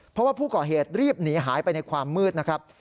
เพราะว่าผู้ก่อเหตุรีบหนีหายไปในความมืดนะครับ